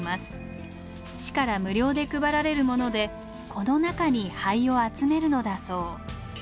市から無料で配られるものでこの中に灰を集めるのだそう。